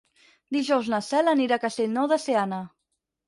Dijous na Cel anirà a Castellnou de Seana.